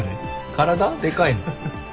体でかいの？